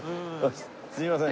すいません。